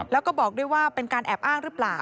แล้วก็บอกด้วยว่าเป็นการแอบอ้างหรือเปล่า